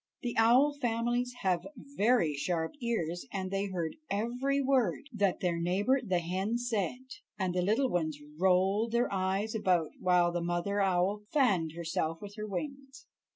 The owl families have very sharp ears, and they heard every word that their neighbor the hen said, and the little ones rolled their eyes about while the mother owl fanned herself with her wings.